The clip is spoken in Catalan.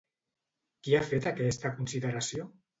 Qui ha fet aquesta consideració?